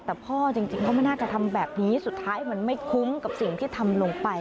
แต่พ่อจริงก็ไม่น่าจะทำแบบนี้สุดท้ายมันไม่คุ้มกับสิ่งที่ทำลงไป